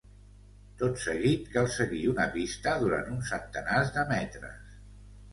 Tot seguit cal seguir una pista durant uns centenars de metres.